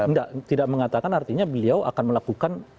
tidak tidak mengatakan artinya beliau akan melakukan